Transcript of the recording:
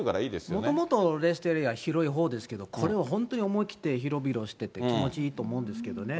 もともとレストエリアは広いほうですけど、これは本当に思い切って広々してて、気持ちいいと思うんですけどね。